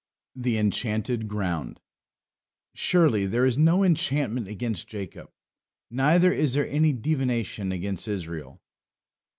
THE ENCHANTED GROUND "Surely there is no enchantment against Jacob, neither is there any divination against Israel."